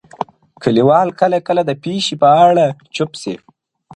کليوال کله کله د پېښې په اړه چوپ سي,